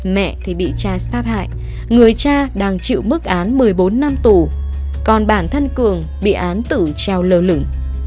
mẹ thì bị cha sát hại người cha đang chịu mức án một mươi bốn năm tù còn bản thân cường bị án tử treo lơ lửng